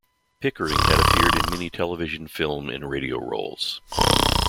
Pickering had appeared in many television, film and radio roles.